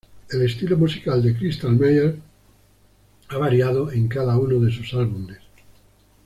El estilo musical de Krystal Meyers ha variado en cada uno de sus álbumes.